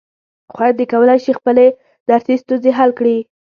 خویندې کولای شي خپلې درسي ستونزې حل کړي.